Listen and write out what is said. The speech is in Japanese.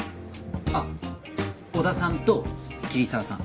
あっ尾田さんと桐沢さん。